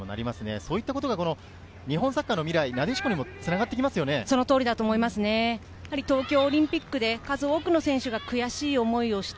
そういったことが日本サッカーの未来、なでしこにもつながってき東京オリンピックで数多くの選手が悔しい思いをした。